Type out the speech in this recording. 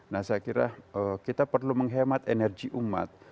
nah saya kira kita perlu menghemat energi umat